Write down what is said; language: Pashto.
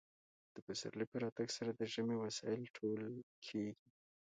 د پسرلي په راتګ سره د ژمي وسایل ټول کیږي